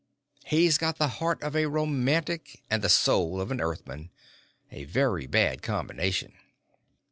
He's got the heart of a romantic and the soul of an Earthman a very bad combination."